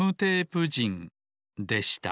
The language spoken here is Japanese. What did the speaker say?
でした